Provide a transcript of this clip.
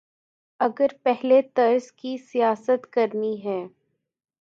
اگر پہلے طرز کی سیاست کرنی ہے۔